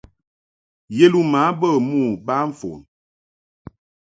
Yeluma bə mo ba fon.